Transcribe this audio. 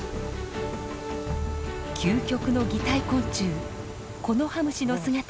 究極の擬態昆虫コノハムシの姿。